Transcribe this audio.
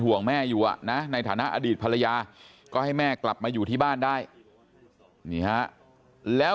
แม่อยู่อ่ะนะในฐานะอดีตภรรยาก็ให้แม่กลับมาอยู่ที่บ้านได้นี่ฮะแล้ว